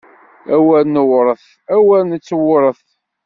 Awer newṛet, awer nettewṛet!